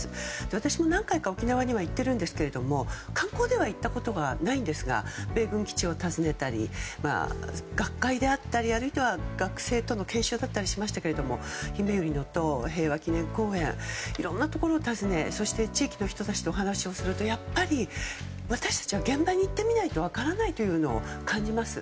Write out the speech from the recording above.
私も何回か沖縄には行っているんですけれども観光では行ったことがないんですが米軍基地を訪ねたり学会であったりあるいは学生との研修だったりしますが平和祈念公園などいろんなところを訪ねそして地域の人たちとお話をすると私たちは現場に行ってみないと分からないというのを感じます。